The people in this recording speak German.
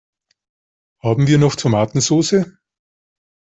Haben wir noch Tomatensoße?